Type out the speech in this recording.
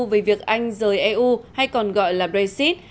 về việc anh rời eu hay còn gọi là brexit